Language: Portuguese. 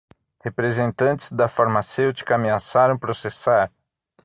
Representantes da farmacêutica ameaçaram processar